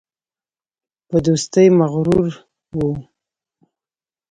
په دوستۍ مغرور وو.